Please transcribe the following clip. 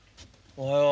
おはよう。